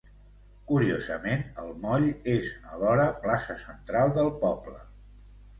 Curiosament el moll és alhora plaça central del poble.